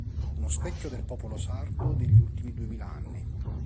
Uno specchio del popolo sardo degli ultimi duemila anni.